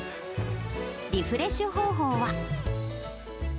リフレッシュ方法は。